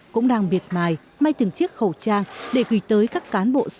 cũng đang biệt mài may từng chiếc khẩu trang để gửi tới các cán bộ xã huyện